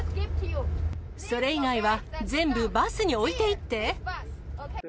それ以外は全部バスに置いていって。